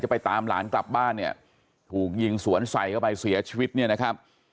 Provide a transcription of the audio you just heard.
ไปตามหลานกลับบ้านเนี่ยถูกยิงสวนใส่เข้าไปเสียชีวิตเนี่ยนะครับ